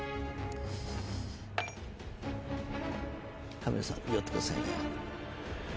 カメラさん寄ってくださいね。